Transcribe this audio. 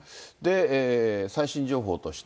最新情報として。